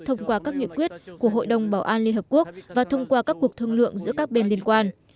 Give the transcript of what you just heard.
thông qua các nghị quyết của hội đồng bảo an liên hợp quốc và thông qua các cuộc thương lượng giữa các bên liên quan